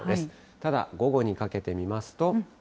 ただ午後にかけて見ますと。